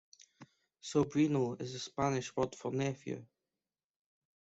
Sobrino is the Spanish word for nephew.